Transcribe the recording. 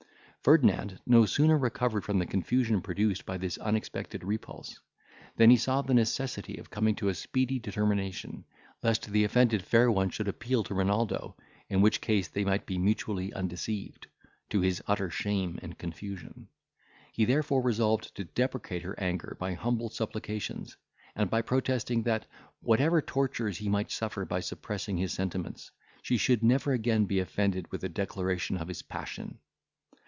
Ferdinand no sooner recovered from the confusion produced by this unexpected repulse, than he saw the necessity of coming to a speedy determination, lest the offended fair one should appeal to Renaldo, in which case they might be mutually undeceived, to his utter shame and confusion; he therefore resolved to deprecate her anger by humble supplications, and by protesting, that, whatever tortures he might suffer by suppressing his sentiments, she should never again be offended with a declaration of his passion.